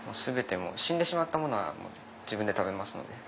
死んでしまったものは自分で食べますので。